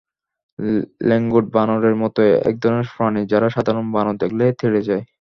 লেঙ্গুড় বানরের মতোই একধরনের প্রাণী, যারা সাধারণ বানর দেখলে তেড়ে যায়।